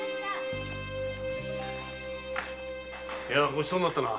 ごちそうになったな。